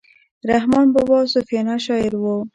رحمان بابا صوفیانه شاعر وو.